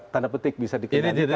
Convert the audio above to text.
tanda petik bisa dikembangkan